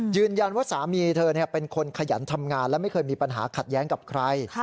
สามีเธอเป็นคนขยันทำงานและไม่เคยมีปัญหาขัดแย้งกับใคร